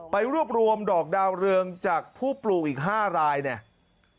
ไปรวบรวมดอกดาวเรืองจากผู้ปลูกอีก๕รายเนี่ย